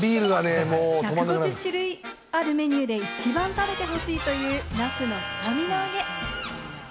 １５０種類あるメニューで一番食べてほしいというナスのスタミナ揚げ。